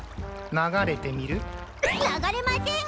流れません！